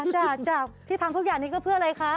จ้ะที่ทำทุกอย่างนี้ก็เพื่ออะไรคะ